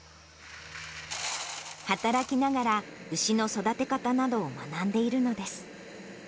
働きながら、牛の育て方などを学んでいるのです。